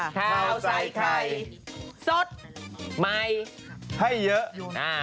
ข้าวใส่ไข่สดใหม่ให้เยอะ